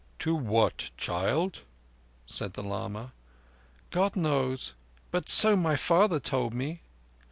"To what, child?" said the lama. "God knows, but so my father told me".